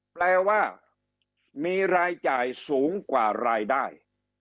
แปลว่ามีรายจ่ายสูงกว่ารายได้